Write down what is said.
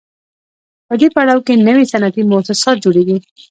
په دې پړاو کې نوي صنعتي موسسات جوړېږي